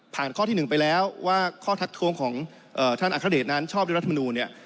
ทางเท่าที่๑ไปแล้วว่าข้อทักทวงของท่านอัครเดชตนั้นทรอบริรัฐบาลหนูเนี่ย